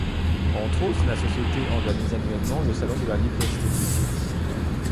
Entre autres, la société organise annuellement le Salon de la Libre Esthétique.